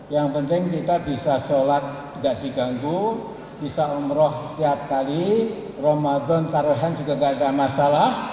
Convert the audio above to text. yang penting kita bisa sholat tidak diganggu bisa umroh tiap kali ramadan taruhan juga tidak ada masalah